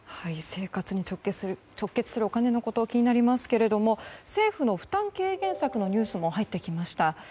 生活に直結するお金のこと気になりますけれども政府の負担軽減策のニュースも入ってきました。